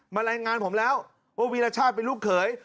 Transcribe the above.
รายงานผมแล้วว่าวีรชาติเป็นลูกเขย